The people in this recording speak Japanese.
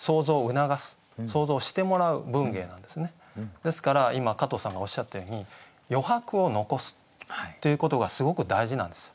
ですから今加藤さんがおっしゃったように余白を残すということがすごく大事なんですよ。